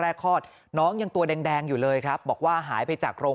คลอดน้องยังตัวแดงอยู่เลยครับบอกว่าหายไปจากโรง